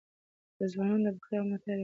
د ځوانانو د بوختيا ملاتړ يې کاوه.